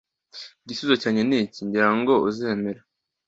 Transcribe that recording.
igisubizo cyanjye niki, ngira ngo uzemera